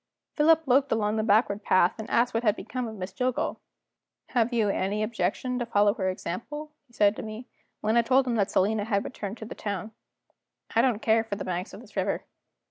Philip looked along the backward path, and asked what had become of Miss Jillgall. "Have you any objection to follow her example?" he said to me, when I told him that Selina had returned to the town. "I don't care for the banks of this river."